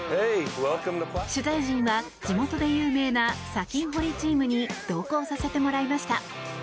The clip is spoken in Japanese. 取材陣は地元で有名な砂金掘りチームに同行させてもらいました。